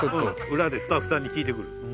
裏でスタッフさんに聞いてくる。